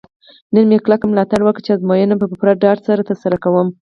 نن مې کلکه ملا وتړله چې ازموینې به په پوره ډاډ سره ترسره کوم.